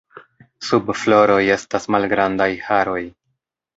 Sub floroj estas malgrandaj haroj.